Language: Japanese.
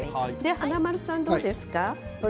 華丸さんどうですか？